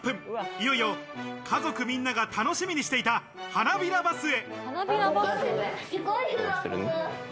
いよいよ家族みんなが楽しみにしていた花びらバスへ。